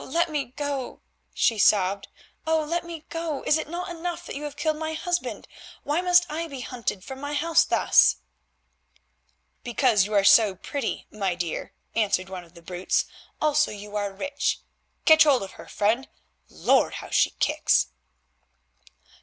let me go," she sobbed, "oh! let me go. Is it not enough that you have killed my husband? Why must I be hunted from my house thus?" "Because you are so pretty, my dear," answered one of the brutes, "also you are rich. Catch hold of her, friend. Lord! how she kicks!"